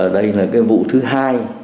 đây là cái vụ thứ hai